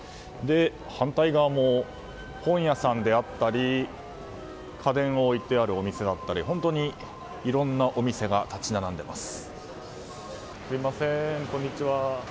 反対側も本屋さんであったり家電が置いてあるお店だったり本当に色々なお店が立ち並んでいます。